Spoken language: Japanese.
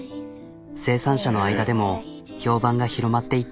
生産者の間でも評判が広まっていった。